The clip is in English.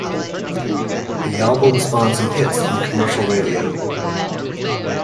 The album spawned some hits in commercial radio.